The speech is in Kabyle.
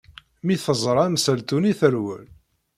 Mi teẓra amsaltu-nni, terwel.